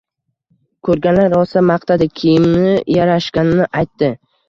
Koʻrganlar rosa maqtadi, kiyimi yarashganini aytdi